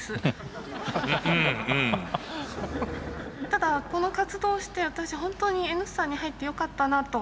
ただこの活動をして私ホントにＮ産に入ってよかったなと。